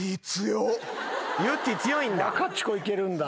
ワカチコいけるんだ。